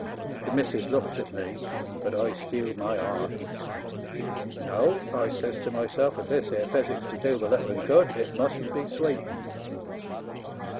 The missis looked at me, but I steeled my 'art. 'No,' I says to myself, * If this ere physic's to do the little 'un good it mustn't be sweetened.'